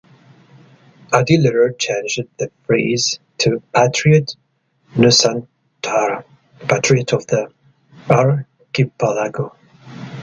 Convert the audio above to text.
Addie later changed the phrase to "Patriot Nusantara" (Patriot of the Archipelago).